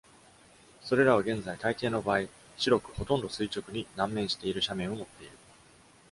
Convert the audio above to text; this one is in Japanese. それらは現在、たいていの場合白く、ほとんど垂直にに南面している斜面を持っている。